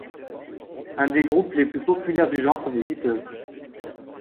Un des groupes les plus populaires du genre sont les Beatles.